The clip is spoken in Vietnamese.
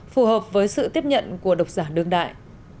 phù hợp với sự tiếp nhận của độc giả đương đại